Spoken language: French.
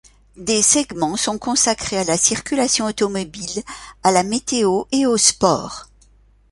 Des segments sont consacrés à la circulation automobile, à la météo et aux sports.